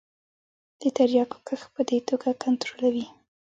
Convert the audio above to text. د تریاکو کښت په دې توګه کنترولوي.